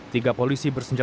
tiga polisi bersenyap